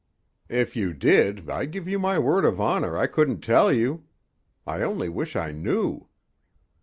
"If you did, I give you my word of honor I couldn't tell you. I only wish I knew!"